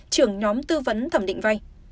trưởng nhóm tư vấn thẩm định vai